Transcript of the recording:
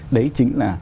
đấy chính là